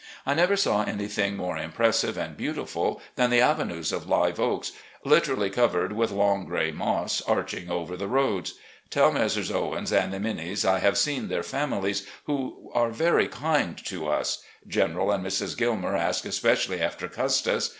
I never saw anything more impressive and beautiful than the avenues of live oaks, literally covered with long gray moss, arching over the roads. Tell Messrs. Owens and Minis I have seen their families, who are very kind to us. General and Mrs. Gilmer asked especially after Custis.